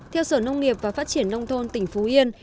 theo sở nông nghiệp và phát triển nông thôn tỉnh phú yên